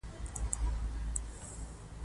چارلېز د مالیاتو د زیاتولو په موخه وړاندیز ولېږه.